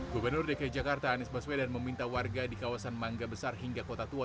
gubernur dki jakarta anies baswedan meminta warga di kawasan mangga besar hingga kota tua